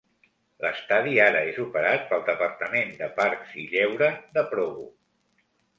L'estadi ara és operat pel departament de parcs i lleure de Provo.